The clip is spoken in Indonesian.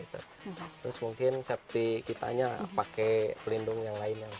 terus mungkin safety kitanya pakai pelindung yang lainnya